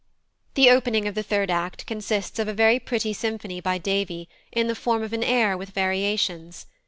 The opening of the third act consists of a very pretty symphony by Davy, in the form of an air with variations.